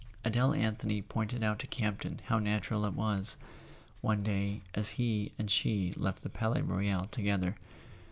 Adele Anthony pointed out to Campton how natural it was, one day as he and she left the Palais Royal together.